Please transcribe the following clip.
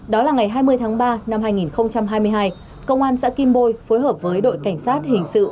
đó là ngày hai mươi tháng ba năm hai nghìn hai mươi hai công an xã kim bôi phối hợp với đội cảnh sát hình sự